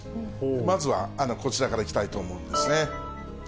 まずはこちらからいきたいと思うんですね。